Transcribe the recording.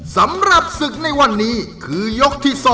สำหรับศึกในวันนี้คือยกที่๒